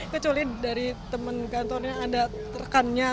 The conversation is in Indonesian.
kecuali dari teman kantornya ada rekannya